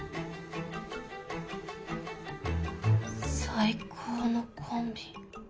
「最高のコンビ」。